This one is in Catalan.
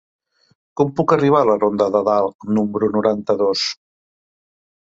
Com puc arribar a la ronda de Dalt número noranta-dos?